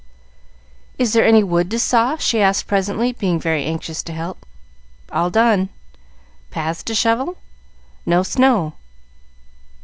"Is there any wood to saw?" she asked presently, being very anxious to help. "All done." "Paths to shovel?" "No snow."